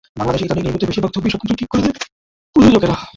বাংলাদেশে ইদানীং নির্মিত বেশির ভাগ ছবির সবকিছু ঠিক করে দেন প্রযোজকেরা।